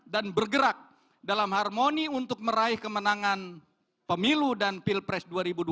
dan bergerak dalam harmoni untuk meraih kemenangan pemilu dan pilpres dua ribu dua puluh empat